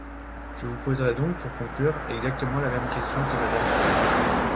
Je vous poserai donc, pour conclure, exactement la même question que Madame Fraysse.